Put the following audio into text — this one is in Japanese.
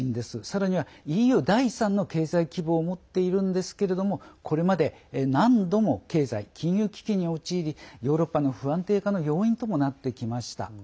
さらにはＥＵ第３の経済規模を持っているんですけれどもこれまで何度も経済金融危機に陥りヨーロッパの不安定化の要因ともなってきました。